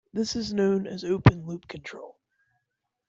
This is known as open loop control.